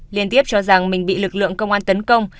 liên tiếp cho rằng mình bị lực lượng công an tấn công